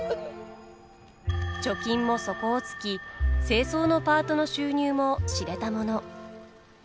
貯金も底をつき清掃のパートの収入も知れたもの。